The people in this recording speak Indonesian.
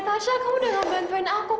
tasya kamu udah ngebantuin aku